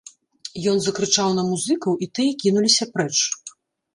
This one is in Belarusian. Ён закрычаў на музыкаў і тыя кінуліся прэч.